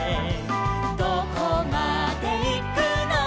「どこまでいくのか」